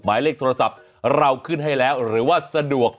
หมายเลขโทรศัพท์เราขึ้นให้แล้วหรือว่าสะดวก